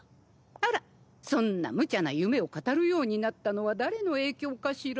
あらそんなむちゃな夢を語るようになったのは誰の影響かしら？